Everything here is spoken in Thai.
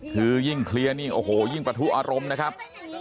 คือยิ่งเคลียร์นี่โอ้โหยิ่งประทุอารมณ์นะครับ